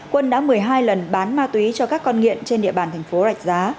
quân đã một mươi hai lần bán ma túy cho các con nghiện trên địa bàn thành phố rạch giá